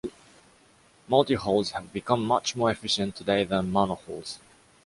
Multihulls have become much more efficient today than mono-hulls.